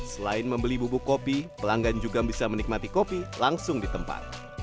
selain membeli bubuk kopi pelanggan juga bisa menikmati kopi langsung di tempat